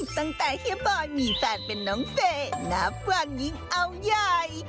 ตั้งแต่เฮียบอยมีแฟนเป็นน้องเซนับวันยิ่งเอาใหญ่